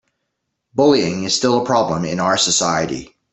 Bullying is still a problem in our society.